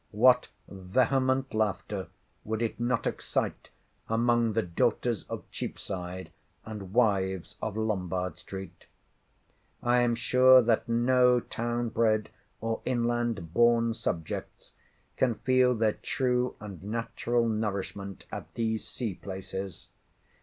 What vehement laughter would it not excite among The daughters of Cheapside, and wives of Lombard street. I am sure that no town bred, or inland born subjects, can feel their true and natural nourishment at these sea places.